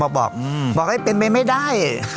มาบอกบอกให้เป็นไหมไม่ได้